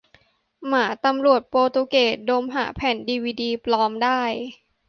หมาตำรวจโปรตุเกส ดมหาแผ่นดีวีดีปลอมได้ !